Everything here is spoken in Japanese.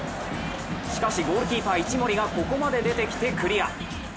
しかし、ゴールキーパー・一森がここまで出てきてクリア。